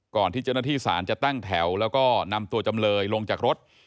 ที่เจ้าหน้าที่ศาลจะตั้งแถวแล้วก็นำตัวจำเลยลงจากรถ